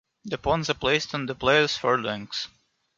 The pawns are placed on the players' third ranks.